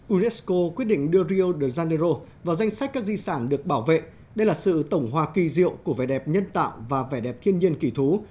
unesco quyết định đưa rio de janeiro vào danh sách các di sản được bảo vệ đây là sự tổng hòa kỳ diệu của vẻ đẹp nhân tạo và vẻ đẹp thiên nhiên kỳ thú